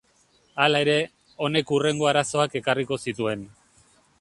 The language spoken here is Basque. Hala ere, honek hurrengo arazoak ekarriko zituen.